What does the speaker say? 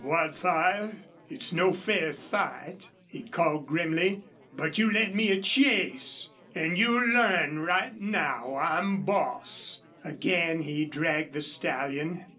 "Wildfire, it's no fair fight," he called, grimly. "But you led me a chase.... An' you learn right now I'm boss!" Again he dragged the stallion.